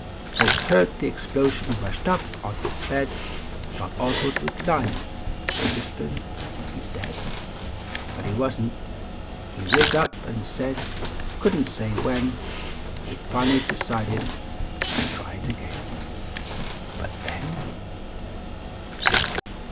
Folks heard the explosion rushed up on his bed John Oswald was lyin . They whispered, "He s dead. But lie wasn t. He riz tip nd said : Couldn t say when He d fully decide to Try it again But then.